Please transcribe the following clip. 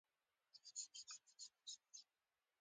سیف الدین خان خپله شتمني په بې ځایه کارونو مصرف کړه